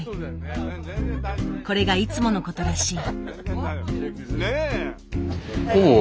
これがいつものことらしい。